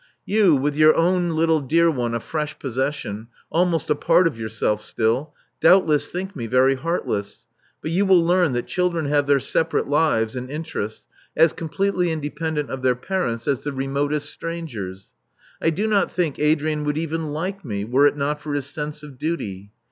You, with your own little dear one a fresh possession — almost a part of yourself still, doubtless think me very heartless; but you will learn that children have their separate lives and interests as completely independent of their parents as the remotest strangers. I do not think Adrian would even like me, were it not for his sense of duty.